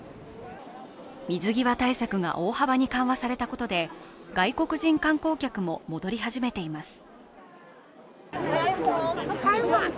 水際対策が大幅に緩和されたことで、外国人観光客も戻り始めています。